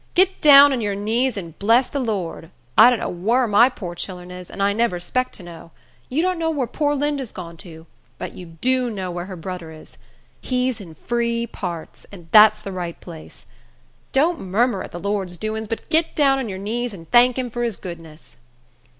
"Git down on your knees and bress de Lord! I don't know whar my poor chillern is, and I nebber 'spect to know. You don't know whar poor Linda's gone to; but you do know whar her brudder is. He's in free parts; and dat's de right place. Don't murmur at de Lord's doings but git down on your knees and tank him for his goodness."